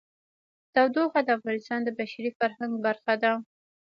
تودوخه د افغانستان د بشري فرهنګ برخه ده.